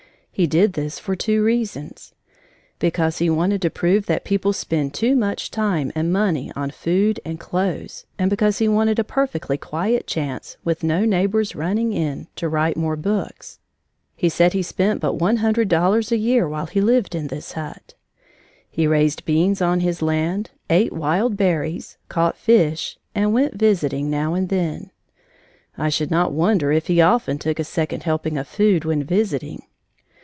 He did this for two reasons: because he wanted to prove that people spend too much time and money on food and clothes and because he wanted a perfectly quiet chance, with no neighbors running in, to write more books. He said he spent but one hundred dollars a year while he lived in this hut. He raised beans on his land, ate wild berries, caught fish and "went visiting" now and then. I should not wonder if he often took a second helping of food, when visiting.